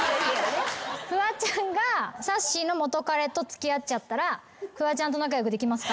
フワちゃんがさっしーの元カレと付き合っちゃったらフワちゃんと仲良くできますか？